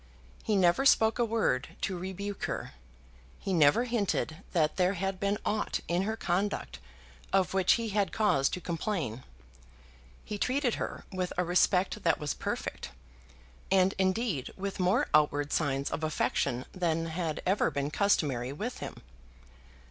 He never spoke a word to rebuke her. He never hinted that there had been aught in her conduct of which he had cause to complain. He treated her with a respect that was perfect, and indeed with more outward signs of affection than had ever been customary with him.